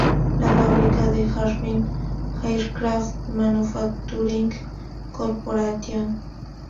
Lo fabrica la Harbin Aircraft Manufacturing Corporation.